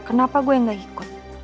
kenapa gue enggak ikut